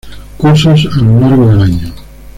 Cursos a lo largo del año.